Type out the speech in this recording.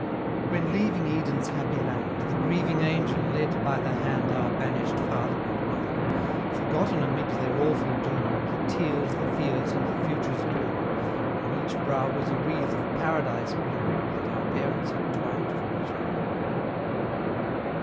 When leaving Eden's happy land The grieving Angel led by the hand Our banish'd Father and Mother, Forgotten amid their awful doom, The tears, the fears, and the future's gloom, On each brow was a wreath of Paradise bloom, That our Parents had twined for each other.